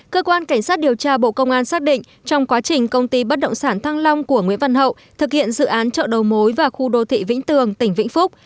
cơ quan cảnh sát điều tra bộ công an xác định trong quá trình công ty bất động sản thăng long của nguyễn văn hậu thực hiện dự án chợ đầu mối và khu đô thị vĩnh tường tỉnh vĩnh phúc